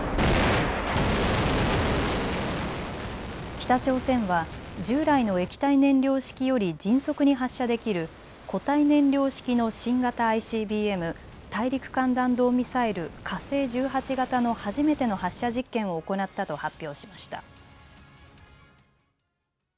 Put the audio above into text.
北朝鮮は従来の液体燃料式より迅速に発射できる固体燃料式の新型ＩＣＢＭ大陸間弾道ミサイル火星１８型の初めての発射実験を行ったと発表しました。